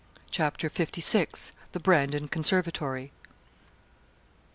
CHAPTER LVI. THE BRANDON CONSERVATORY.